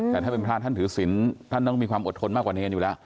แต่ถ้าเป็นพระท่านถือศิลป์ท่านต้องมีความอดทนมากกว่าเนรอยู่แล้ว